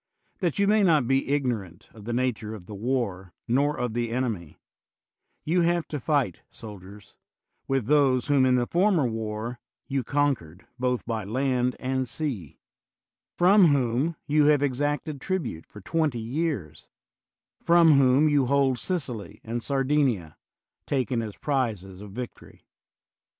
That you may not be igno rant of the nature of the war nor of the enemy, you have to fight, soldiers, with those whom in the former war you conquered both by land and sea; from whom you have exacted tribute for twenty years; from whom you hold Sicily and Sardinia, taken as the prizes of victory.